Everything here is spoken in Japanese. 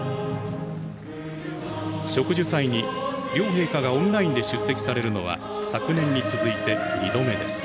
植樹祭に両陛下がオンラインで出席されるのは昨年に続いて２度目です。